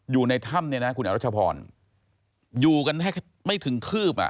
อยู่ในถ้ำเนี่ยนะคุณอรัชพรอยู่กันแทบไม่ถึงคืบอ่ะ